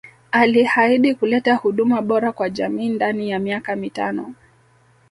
Alihaidi kuleta huduma bora kwa jamii ndani ya miaka mitano